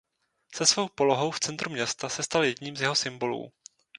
Se svou polohou v centru města se stal jedním z jeho symbolů.